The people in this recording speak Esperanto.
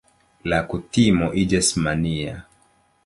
La kutimo iĝas mania.